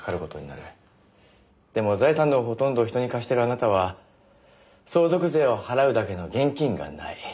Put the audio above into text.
でも財産のほとんどを人に貸してるあなたは相続税を払うだけの現金がない。